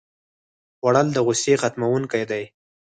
خوړل د غوسې ختموونکی دی